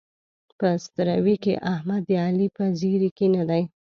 په ستروۍ کې احمد د علي په زېري کې نه دی.